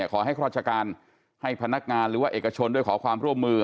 ขอให้ราชการให้พนักงานหรือว่าเอกชนด้วยขอความร่วมมือ